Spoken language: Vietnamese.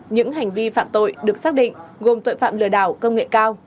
những hành vi phạm tội được xác định gồm tội phạm lừa đảo công nghệ cao